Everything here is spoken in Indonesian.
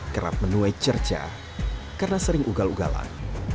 kerap menuai cerca karena sering ugal ugalan